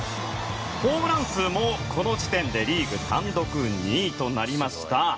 ホームラン数もこの時点でリーグ単独２位となりました。